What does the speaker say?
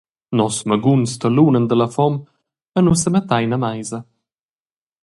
Nos maguns talunan dalla fom e nus semettein a meisa.